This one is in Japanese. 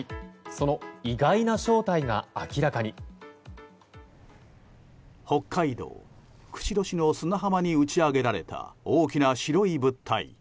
その意外な正体が明らかに北海道釧路市の砂浜に打ち上げられた大きな白い物体。